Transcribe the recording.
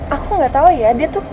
aku kok gak tau ya dia tuh